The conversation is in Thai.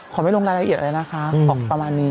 ขอไม่ลงรายละเอียดอะไรนะคะอ๋อประมาณนี้